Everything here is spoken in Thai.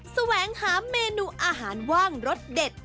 แสวงหาเมนูอาหารว่างรสเด็ด